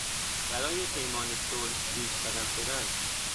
برای پیمان صلح پیشقدم شدن